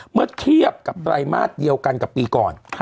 เมื่อเทียบกับไตรมาสเดียวกันกับปีก่อน